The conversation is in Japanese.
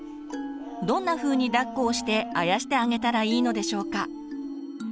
どんなふうにだっこをしてあやしてあげたらいいのでしょうか？